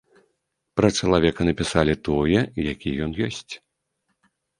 Пра чалавека напісалі тое, які ён ёсць.